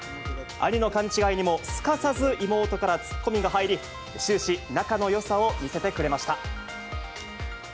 兄の勘違いにも、すかさず妹からツッコミが入り、終始、仲のよさを見せてくれました。